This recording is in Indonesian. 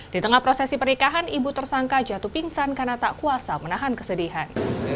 di tengah prosesi pernikahan ibu tersangka jatuh pingsan karena tak kuasa menahan kesedihan